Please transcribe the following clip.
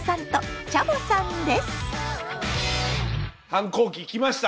反抗期来ました？